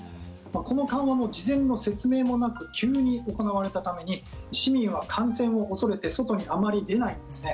この緩和も事前の説明もなく急に行われたために市民は感染を恐れて外にあまり出ないんですね。